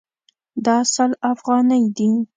دا سل افغانۍ دي